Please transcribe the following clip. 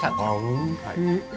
おいしい！